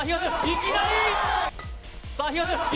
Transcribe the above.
いきなり！